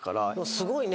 すごいね。